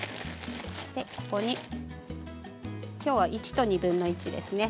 ここに今日は１と２分の１ですね。